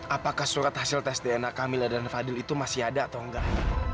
apakah surat hasil tes dna kamilla dan fadil itu masih ada atau enggak